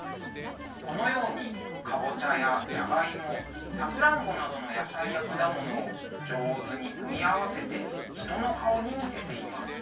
このようにかぼちゃやじゃがいもさくらんぼなどの野菜や果物を上手に組み合わせて人の顔に見せています。